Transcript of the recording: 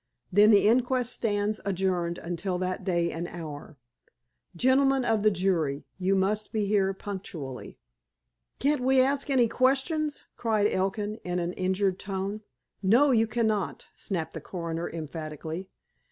"Then the inquest stands adjourned until that day and hour. Gentlemen of the jury, you must be here punctually." "Can't we ask any questions?" cried Elkin, in an injured tone. "No. You cannot," snapped the coroner emphatically.